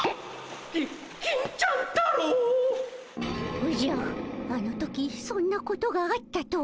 おじゃっあの時そんなことがあったとは。